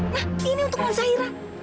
nah ini untuk nun zahira